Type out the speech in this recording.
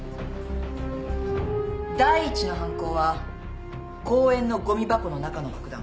第１の犯行は公園のごみ箱の中の爆弾。